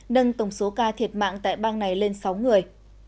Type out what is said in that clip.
nâng tổng số ca thiệt mạng tại bang này lên sáu người